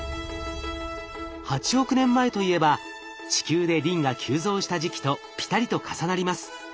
８億年前といえば地球でリンが急増した時期とピタリと重なります。